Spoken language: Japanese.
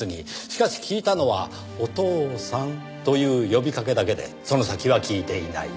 しかし聞いたのは「お父さん」という呼びかけだけでその先は聞いていない。